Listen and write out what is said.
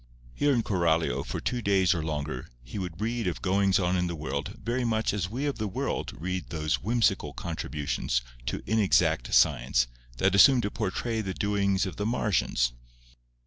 Here in Coralio for two days or longer he would read of goings on in the world very much as we of the world read those whimsical contributions to inexact science that assume to portray the doings of the Martians.